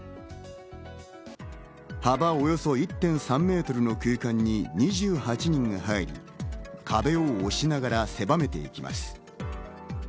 幅およそ１．３メートルの空間に２８人が入り、壁を押しながら狭めていきます。